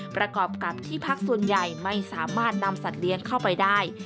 ประกอบกับที่พักส่วนใหญ่ไม่สามารถนำสัตว์เลี้ยงเข้าไปได้